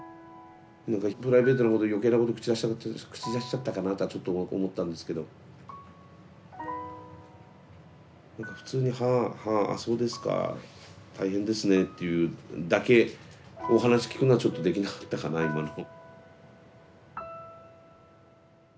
何かプライベートなこと余計なこと口出しちゃったかなあとはちょっと思ったんですけど何か普通に「はあはああそうですか」「大変ですね」って言うだけお話聞くのはちょっとできなかったかな今の。